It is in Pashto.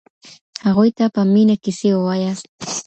هغوی ته په مينه کيسې وواياست.